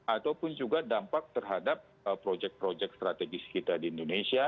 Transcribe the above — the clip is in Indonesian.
ataupun juga dampak terhadap proyek proyek strategis kita di indonesia